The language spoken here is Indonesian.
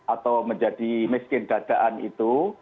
atau menjadi miskin dadaan itu